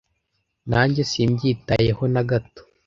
nanjye simbyitayeho na gato